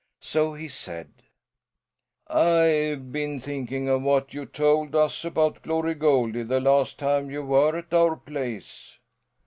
So he said: "I've been thinking of what you told us about Glory Goldie the last time you were at our place."